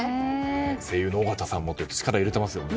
声優の緒方さんもって力入れていますね。